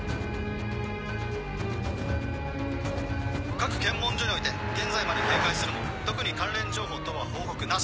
各検問所において現在まで警戒するも特に関連情報等は報告なし。